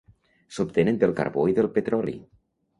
S'obtenen del carbó i del petroli.